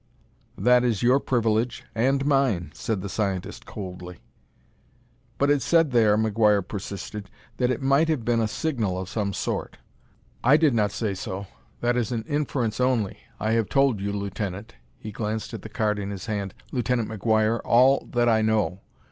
"That is your privilege and mine," said the scientist coldly. "But it said there," McGuire persisted, "that it might have been a signal of some sort." "I did not say so: that is an inference only. I have told you, Lieutenant" he glanced at the card in his hand " Lieutenant McGuire all that I know.